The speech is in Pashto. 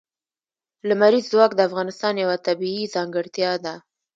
لمریز ځواک د افغانستان یوه طبیعي ځانګړتیا ده.